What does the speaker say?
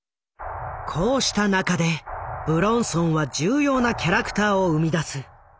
こうした中で武論尊は重要なキャラクターを生み出す。